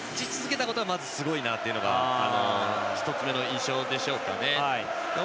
今まで勝ち続けたことがまず、すごいというのが１つ目の印象でしょうか。